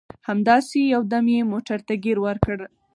همداسې یو دم یې موټر ته ګیر ورکړ.